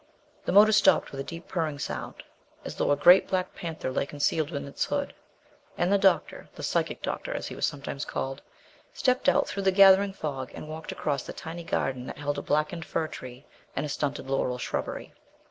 The motor stopped with a deep purring sound, as though a great black panther lay concealed within its hood, and the doctor the "psychic doctor," as he was sometimes called stepped out through the gathering fog, and walked across the tiny garden that held a blackened fir tree and a stunted laurel shrubbery.